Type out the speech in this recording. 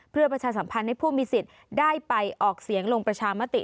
เพื่อประชาสัมพันธ์ให้ผู้มีสิทธิ์ได้ไปออกเสียงลงประชามติ